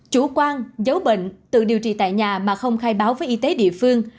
chủ quan giấu bệnh tự điều trị tại nhà mà không khai báo với y tế địa phương